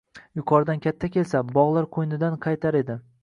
Yuqoridan katta kelsa — bog‘lar qo‘ynidan qaytar edi.